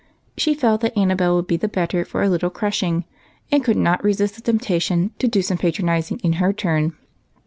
She felt that Annabel would be the better for a little crushing, and could not resist the temptation to patronize in her turn.